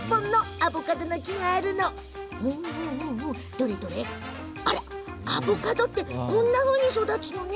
アボカドってこんなふうに育つんだ。